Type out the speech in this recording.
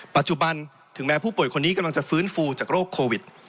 ปัจจุบันถึงแม้ผู้ป่วยคนนี้กำลังจะฟื้นฟูจากโรคโควิด